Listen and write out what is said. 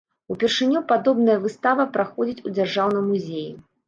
Упершыню падобная выстава праходзіць у дзяржаўным музеі.